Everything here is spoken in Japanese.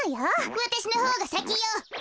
わたしのほうがさきよ！